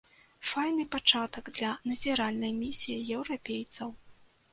Файны пачатак для назіральнай місіі еўрапейцаў.